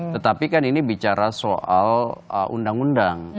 tetapi kan ini bicara soal undang undang